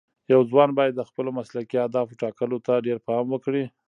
یو ځوان باید د خپلو مسلکي اهدافو ټاکلو ته ډېر پام وکړي.